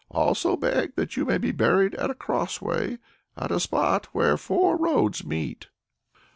And also beg that you may be buried at a crossway, at a spot where four roads meet."